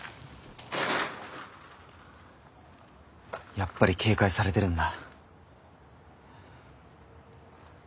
やっぱり警戒されてるんだ。